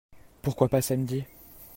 Pourquoi pas samedi ?